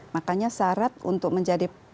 makanya syarat untuk menjadi